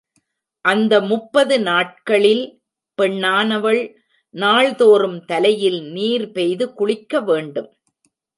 அந்த முப்பது நாட்களில் பெண்ணானவள் நாள் தோறும் தலையில் நீர்பெய்து குளிக்க வேண்டும்.